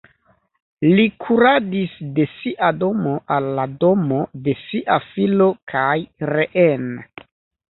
Li kuradis de sia domo al la domo de sia filo kaj reen.